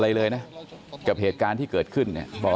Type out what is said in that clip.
อะไรเลยนะและกับเหตุการณ์ที่เกิดขึ้นนะ